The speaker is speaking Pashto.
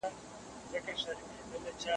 د کاري ستړیا حالت په کار اغېزه کوي.